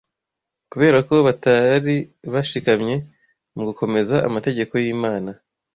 kubera ko batari bashikamye, mu gukomeza amategeko y’Imana